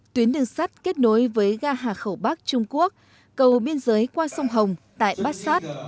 tuyến đường sắt kết nối với ga hà khẩu bắc trung quốc cầu biên giới qua sông hồng tại bát sát